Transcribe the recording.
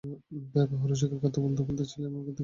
বাবার অসুখের কথা বলতে-বলতে ছেলের চোখে দেখি পানি।